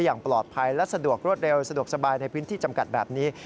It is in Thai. อย่างปลอดภัยและสะดวกรวดเร็วสะดวกสบายในพื้นที่จำกัดแบบนี้